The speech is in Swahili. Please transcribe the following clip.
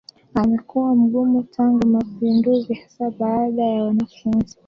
umekuwa mgumu tangu mapinduzi hasa baada ya wanafunzi